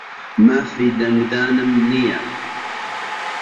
مافی دەنگدانم نییە.